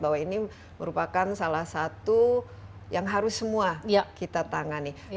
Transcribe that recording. bahwa ini merupakan salah satu yang harus semua kita tangani